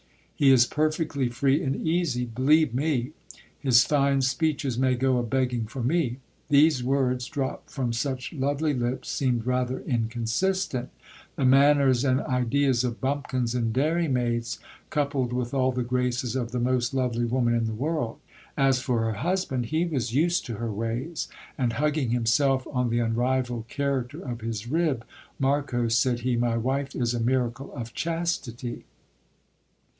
He is perfectly free and easy. Believe me ! His fine speeches may go a begging for me. These words, dropped from such lovely lips, seemed rather inconsistent ; the manners and ideas of bumpkins and dairy maids coupled with all the graces of the most lovely woman in the world ! As for her husband, he was used to her ways ; and, hugging himself on the unrivalled character of his rib, Marcos, said he, my wife is a miracle of chastity.